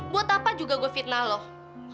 buat apa juga gua fitnah lu